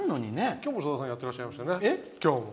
今日も、さださんやってらっしゃいましたね。